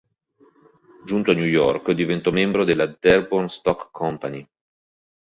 Giunto a New York, diventò membro della Dearborn Stock Company.